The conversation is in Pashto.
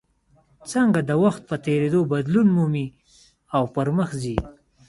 څنګه د وخت په تېرېدو بدلون مومي او پرمخ ځي.